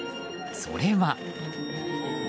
それは。